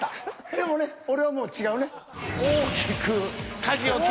でもね俺はもう違うね。